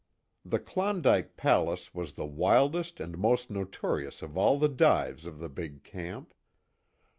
The "Klondike Palace" was the wildest and most notorious of all the dives of the big camp.